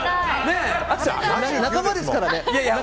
仲間ですから。